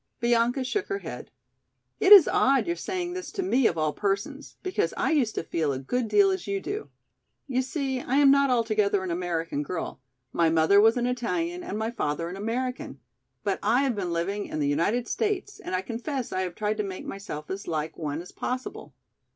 Bianca shook her head. "It is odd your saying this to me of all persons, because I used to feel a good deal as you do. You see I am not altogether an American girl; my mother was an Italian and my father an American, but I have been living in the United States and I confess I have tried to make myself as like one as possible.